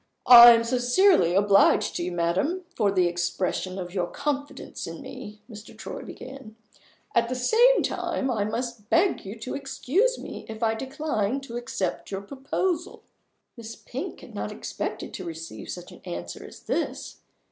"I am sincerely obliged to you, madam, for the expression of your confidence in me," Mr. Troy began; "at the same time, I must beg you to excuse me if I decline to accept your proposal." Miss Pink had not expected to receive such an answer as this.